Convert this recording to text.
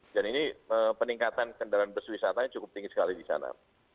dan ini peningkatan kendaraan bus wisatanya cukup tinggi sekali di sana